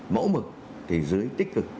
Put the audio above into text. mẫu mực thì dưới tích cực